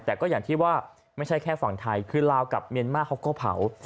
แต่ก็อย่างที่ว่าไม่ใช่แค่ฝั่งไทยคือลาวกับเมียนมาร์เขาก็เผา